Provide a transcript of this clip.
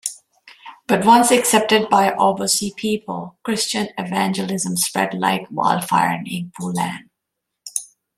But once accepted by Obosi people, Christian evangelism spread like wildfire in Igbo land.